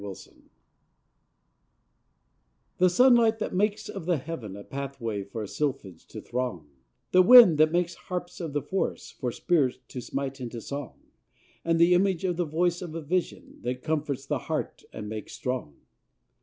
CLAIRVOYANCE The sunlight, that makes of the heaven A pathway for sylphids to throng; The wind, that makes harps of the forests For spirits to smite into song, Are the image and voice of a vision That comforts the heart and makes strong.